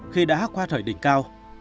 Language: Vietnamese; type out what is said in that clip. khi đã qua thời đỉnh cao